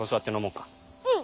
うん。